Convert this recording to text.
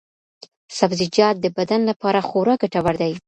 سبزیجات د بدن لپاره خورا ګټور دي.